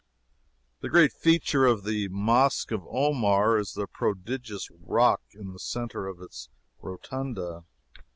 The great feature of the Mosque of Omar is the prodigious rock in the centre of its rotunda.